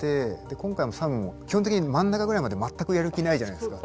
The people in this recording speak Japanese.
今回もサムも基本的に真ん中ぐらいまで全くやる気ないじゃないですか。